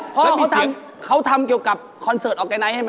เพราะเขาทำเขาทำเกี่ยวกับคอนเซิร์ตออกไกน์ไนท์ใช่ไหม